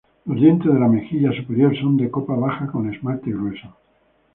Los dientes de la mejilla superior son de copa baja con esmalte grueso.